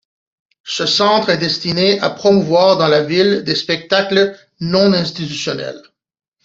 Ce centre est destiné à promouvoir dans la ville des spectacles non institutionnels.